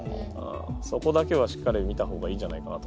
そこだけはしっかり見た方がいいんじゃないかなと思います。